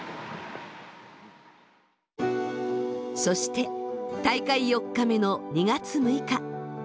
そして大会４日目の２月６日。